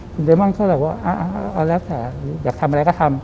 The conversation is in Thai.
คุณเดมอนก็เลยว่าเอาแล้วแต่อยากทำอะไรก็ทำ